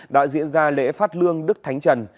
đã diễn ra lễ phát lương đức thánh trần